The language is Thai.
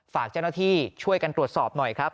ฝากเจ้าหน้าที่ช่วยกันตรวจสอบหน่อยครับ